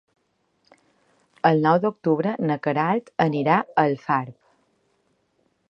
El nou d'octubre na Queralt anirà a Alfarb.